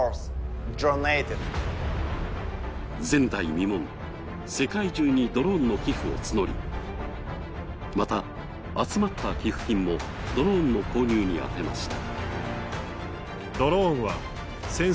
前代未聞、世界中にドローンの寄付を募りまた集まった寄付金もドローンの購入に充てました。